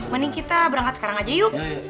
mending kita berangkat sekarang aja yuk